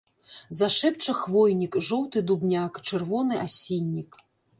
Зашэпча хвойнік, жоўты дубняк, чырвоны асіннік.